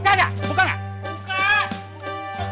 gua bilang buka buka